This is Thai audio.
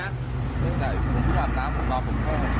เนี่ยแต่พี่ถามตามรอผมแค่